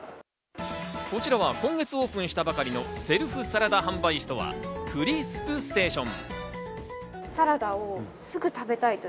こちらは今月オープンしたばかりのセルフサラダ販売ストア、クリスプ・ステーション。